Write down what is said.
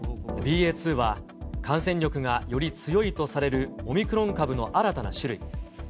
ＢＡ．２は、感染力がより強いとされるオミクロン株の新たな種類。